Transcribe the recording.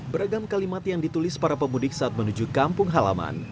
beragam kalimat yang ditulis para pemudik saat menuju kampung halaman